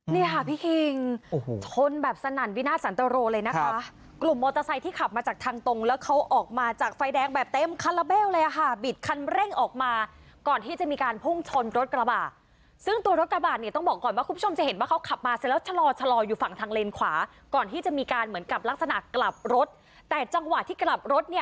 เนี่ยค่ะพี่คิงโอ้โหชนแบบสนั่นวินาทสันตรโรเลยนะคะกลุ่มมอเตอร์ไซค์ที่ขับมาจากทางตรงแล้วเขาออกมาจากไฟแดงแบบเต็มคาราเบลเลยค่ะบิดคันเร่งออกมาก่อนที่จะมีการพุ่งชนรถกระบะซึ่งตัวรถกระบะเนี่ยต้องบอกก่อนว่าคุณผู้ชมจะเห็นว่าเขาขับมาเสร็จแล้วชะลอชะลออยู่ฝั่งทางเลนขวาก่อนที่จะมีการเหมือนกับลักษณะกลับรถแต่จังหวะที่กลับรถเนี่ย